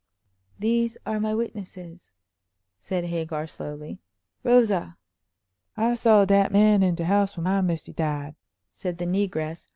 "These are my witnesses," said Hagar, slowly. "Rosa!" "I saw dat man in de house when my missy died," said the negress.